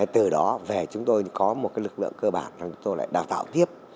từ đó về chúng tôi có một lực lượng cơ bản là chúng tôi lại đào tạo tiếp